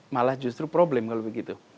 malah justru problem kalau begitu